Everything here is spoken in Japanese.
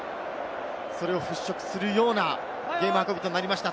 それを払拭するようなゲーム運びとなりました。